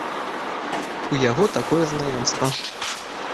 У яго такое знаёмства.